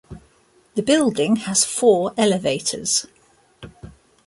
The building has four elevators.